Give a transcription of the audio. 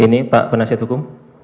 ini pak penasihat hukum